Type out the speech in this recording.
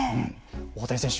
大谷選手